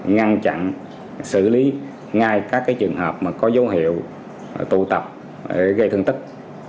ngăn chặn xử lý ngay các trường hợp có dấu hiệu tụ tập gây thương tích